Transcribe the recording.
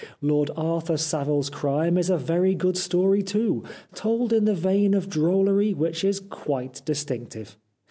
' Lord Arthur Savile's Crime ' is a very good story, too, told in a vein of drollery which is quite distinctive.